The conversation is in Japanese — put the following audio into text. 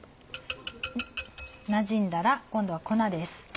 なじんだら今度は粉です。